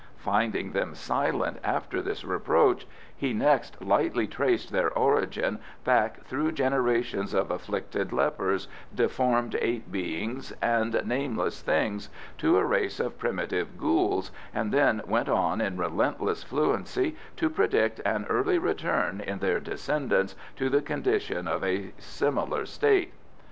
Finding them silent under this reproach, he next lightly traced their origin back through generations of afflicted lepers, deformed ape beings, and Nameless Things, to a race of primitive ghouls, and then went on in relentless fluency to predict an early return in their descendants to the condition of a similar state.